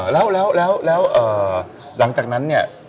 แล้วแล้วแล้วแล้วหลังจากนั้นเนี่ย